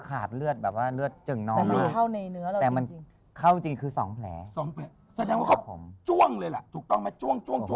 แสดงว่าเขาจ้วงเลยล่ะถูกต้องไหมจ้วง